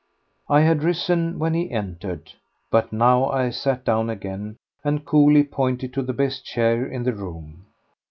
I had risen when he entered. But now I sat down again and coolly pointed to the best chair in the room.